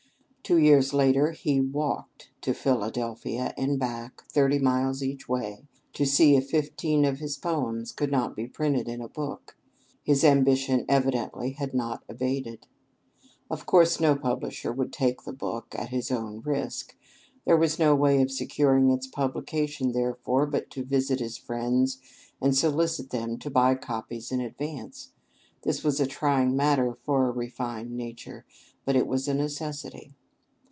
Two years later, he walked to Philadelphia and back thirty miles each way to see if fifteen of his poems could not be printed in a book! His ambition evidently had not abated. Of course no publisher would take the book at his own risk. There was no way of securing its publication, therefore, but to visit his friends, and solicit them to buy copies in advance. This was a trying matter for a refined nature; but it was a necessity.